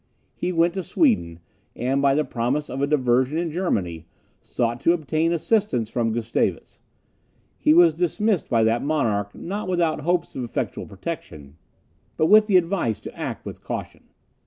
He went to Sweden, and, by the promise of a diversion in Germany, sought to obtain assistance from Gustavus. He was dismissed by that monarch not without hopes of effectual protection, but with the advice to act with caution.